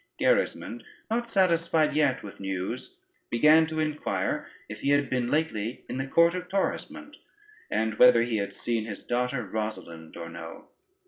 Gerismond, not satisfied yet with news, began to inquire if he had been lately in the court of Torismond, and whether he had seen his daughter Rosalynde or no?